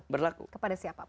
berlaku kepada siapapun